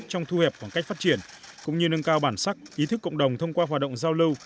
trong thu hẹp khoảng cách phát triển cũng như nâng cao bản sắc ý thức cộng đồng thông qua hoạt động giao lưu